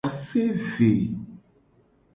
Ase eve.